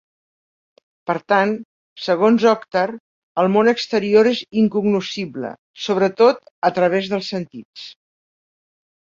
Per tant, segons Oktar, el món exterior és incognoscible, sobretot a través dels sentits.